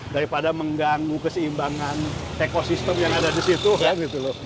daripada mengganggu keseimbangan ekosistem yang ada di situ kan gitu loh